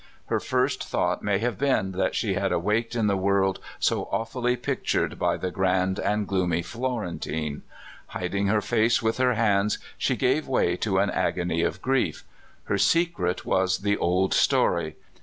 Her first thought may have been that she had awaked in the world so awfully pictured by the grand and gloomy Florentine. Hiding her face wath her hands, she gave way to an agony of grief. Her secret was the old story.